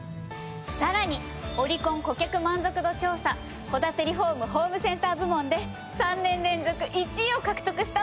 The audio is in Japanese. さらにオリコン顧客満足度調査戸建てリフォームホームセンター部門で３年連続１位を獲得したのよ。